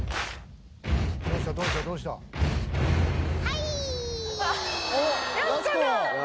はい！